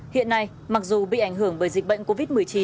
hiện nay mặc dù bị ảnh hưởng bởi dịch bệnh covid một mươi chín